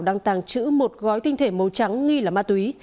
đang tàng trữ một gói tinh thể màu trắng nghi là ma túy